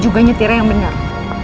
juga nyetir yang benar